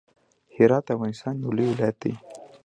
هرات د افغانستان يو لوی ولايت دی.